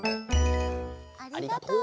ありがとう。